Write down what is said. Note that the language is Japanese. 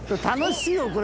楽しいよ！